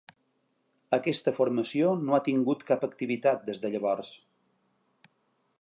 Aquesta formació no ha tingut cap activitat des de llavors.